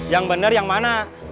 yang bener yang mana